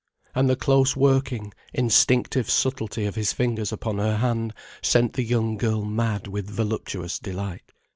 And the close working, instinctive subtlety of his fingers upon her hand sent the young girl mad with voluptuous delight.